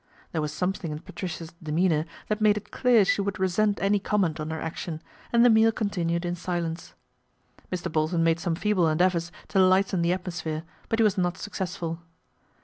There was something in Patricia's demeanour that made it clear she would resent any comment on her action, and the meal continued in silence. Mr. Bolton made some feeble endeavours to lighten the atmosphere ; but he was not suc cessful.